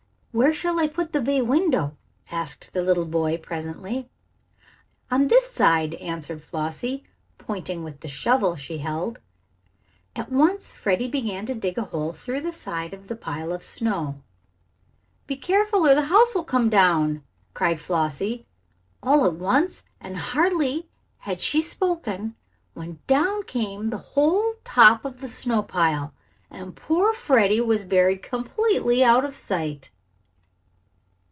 "Where shall I put the bay window?" asked the little boy, presently. "On this side," answered Flossie, pointing with the shovel she held. At once Freddie began to dig a hole through the side of the pile of snow. "Be careful, or the house will come down!" cried Flossie, all at once, and hardly had she spoken when down came the whole top of the snow pile and poor Freddie was buried completely out of sight!